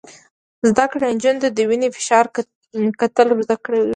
زده کړه نجونو ته د وینې فشار کتل ور زده کوي.